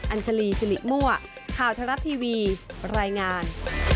ัญชาลีสิริมั่วข่าวทรัฐทีวีรายงาน